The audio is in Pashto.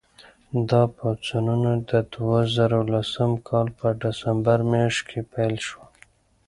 دا پاڅونونه د دوه زره لسم کال په ډسمبر میاشت کې پیل شول.